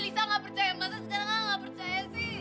lisa gak percaya masa sekarang gak percaya sih